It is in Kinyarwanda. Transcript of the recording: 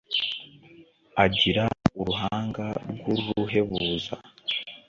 Agira uruhanga rw’uruhebuza,